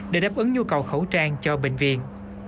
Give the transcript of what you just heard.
để đáp ứng nhu cầu khẩu trang cho bệnh viện